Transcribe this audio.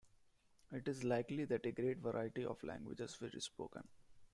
It is likely that a great variety of languages were spoken.